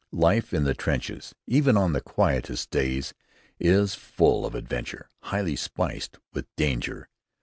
Life in the trenches, even on the quietest of days, is full of adventure highly spiced with danger.